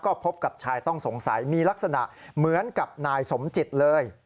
ก็พบกับชายต้องสงสัยมีลักษณะเหมือนกับนายสมจิตเลย